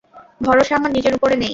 ভরসা আমার নিজের উপরে নেই।